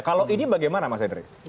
kalau ini bagaimana mas henry